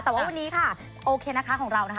แต่ว่าวันนี้ค่ะโอเคนะคะของเรานะคะ